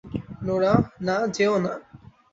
Nora, না, যেও না।